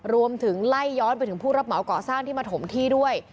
ไล่ย้อนไปถึงผู้รับเหมาก่อสร้างที่มาถมที่ด้วย